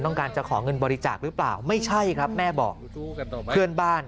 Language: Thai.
ต้องการจะขอเงินบริจาคหรือเปล่าไม่ใช่ครับแม่บอกเพื่อนบ้าน